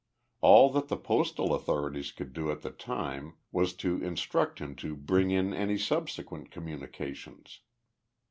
All that the postal authorities could do at the time was to instruct him to bring in any subsequent communications.